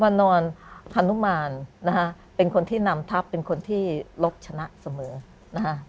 มานอนฮานุมานนะคะเป็นคนที่นำทัพเป็นคนที่ลบชนะเสมอนะฮะ